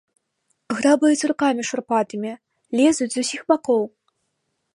Грабаюць рукамі шурпатымі, лезуць з усіх бакоў.